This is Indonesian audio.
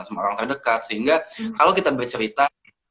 sama orang terdekat sehingga kalau kita bercerita